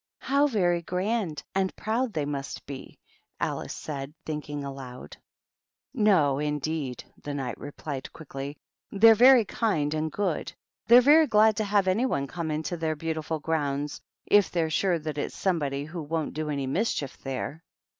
" How very grand and proud they must be !" Alice said, thinking aloud. "No, indeed," the Knight replied, quickly. "They're very kind and good. They're very glad to have any one come into their beautiful grounds, if they're sure that it's somebody who won't do any mischief there."